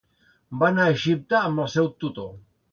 Va anar a Egipte amb el seu tutor.